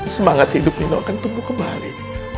semangat hidup nino akan tumbuh kembali